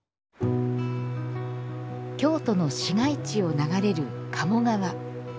京都の市街地を流れる鴨川。